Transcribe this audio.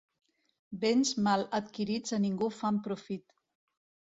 Béns mal adquirits a ningú fan profit.